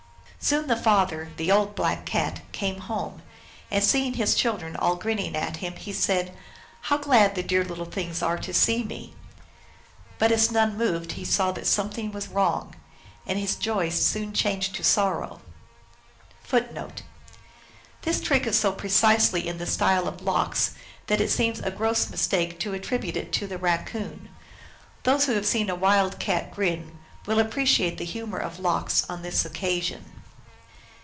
Soon the father, the old Black Cat, came home, and, seeing his children all grinning at him, he said, "How glad the dear little things are to see me." But as none moved he saw that something 1 was wrong 1 , and O O his joy soon changed to sorrow. 1 Then the youngest Black Cat, the baby, came out 1 This trick is so precisely in the style of Lox that it seems a gross mistake to attribute it to the Raccoon. Those who have seen a wild cat grin will appreciate the humor of Lox on this occasion.